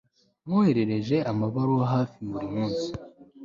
Mboherereje amabaruwa hafi buri munsi